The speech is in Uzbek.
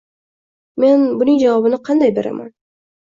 Men buning javobini qanday beraman